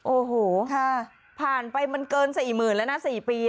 โอ้โหค่ะผ่านไปมันเกินสี่หมื่นแล้วนะสี่ปีอ่ะ